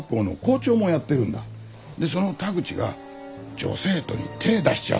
でその田口が女生徒に手ぇ出しちゃう。